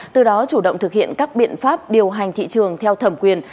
từ đó chủ động thực hiện các biện pháp điều hành thị trường theo thẩm quyền